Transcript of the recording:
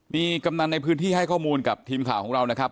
มีกำนันในพื้นที่ให้ข้อมูลกับทีมข่าวของเรานะครับ